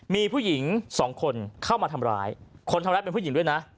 มีผู้หญิงสองคนเข้ามาทำร้ายคนทำร้ายเป็นผู้หญิงด้วยนะ